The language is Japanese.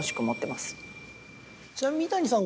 ちなみに三谷さん